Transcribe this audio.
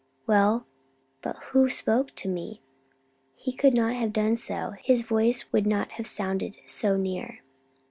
"Well, but who spoke to me? He could not have done so; his voice would not have sounded so near."